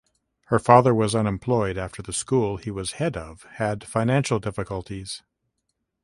Her father was unemployed after the school he was head of had financial difficulties.